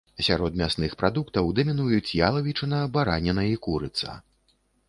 Сярод мясных прадуктаў дамінуюць ялавічына, бараніна і курыца.